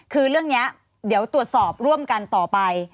คือเรื่องนี้เดี๋ยวตรวจสอบร่วมกันต่อไป